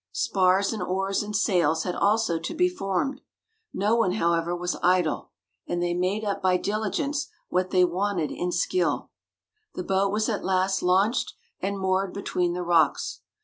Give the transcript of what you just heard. Spars and oars and sails had also to be formed. No one, however, was idle, and they made up by diligence what they wanted in skill. The boat was at last launched and moored between the rocks.